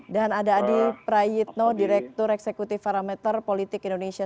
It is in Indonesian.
dan ada adi prayitno direktur eksekutif parameter politik indonesia